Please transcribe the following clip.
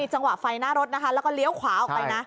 จังหวะไฟหน้ารถนะคะแล้วก็เลี้ยวขวาออกไปนะ